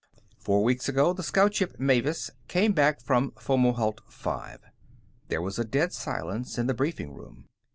"Four weeks ago, the Scout Ship Mavis came back from Fomalhaut V." There was a dead silence in the briefing room.